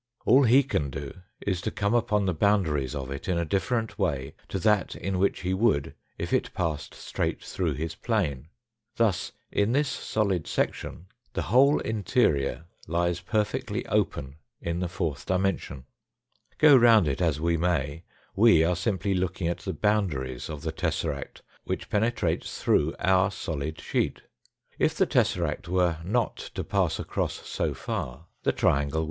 All he can do is to come upon the boundaries of it in a different way to that in which he would if it passed straight through his plane. Thus in this solid section ; the whole interior lies per fectly open in the fourth dimension. G O round it as we may we are simply looking at the boundaries of the tesseract which penetrates through our solid sheet. If the tess^rapt were not to pass across so far, tl^e triangle 198 THE FOURTH DIMENSION Null y. P.: Null Fig. 124.